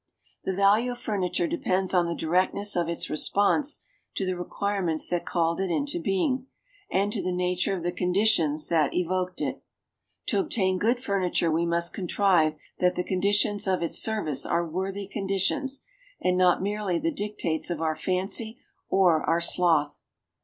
The value of furniture depends on the directness of its response to the requirements that called it into being, and to the nature of the conditions that evoked it. To obtain good furniture we must contrive that the conditions of its service are worthy conditions, and not merely the dictates of our fancy or our sloth.